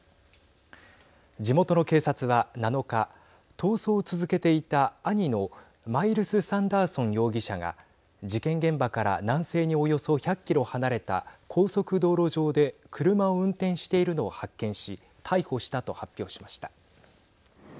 地元の警察は、７日逃走を続けていた兄のマイルス・サンダーソン容疑者が事件現場から南西におよそ１００キロ離れた高速道路上で車を運転しているのを発見し逮捕したと発表しました。